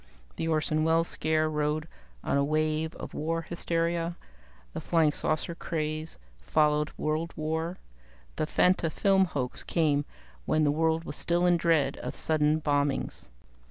The Orson Welles scare rode on a wave of war hysteria; the Flying Saucer craze followed world war; the Fantafilm hoax came when the world was still in dread of sudden bombings.